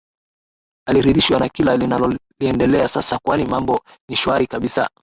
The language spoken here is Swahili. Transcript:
aridhishwa na kila linaliendelea sasa kwani mambo ni shwari kabisa